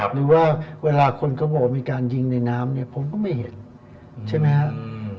หรือว่าเวลาคนเขาบอกว่ามีการยิงในน้ำเนี่ยผมก็ไม่เห็นใช่ไหมครับ